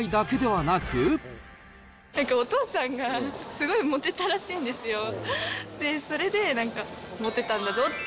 なんかお父さんがすごいもてたらしいんですよ、で、それでなんか、もてたんだぞって。